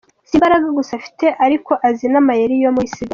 Si imbaraga gusa afite ariko azi n’amayeri yo mu isiganwa.